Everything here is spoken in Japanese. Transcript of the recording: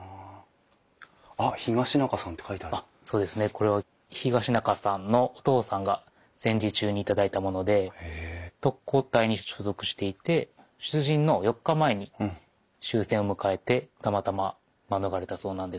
これは東仲さんのお父さんが戦時中に頂いたもので特攻隊に所属していて出陣の４日前に終戦を迎えてたまたま免れたそうなんです。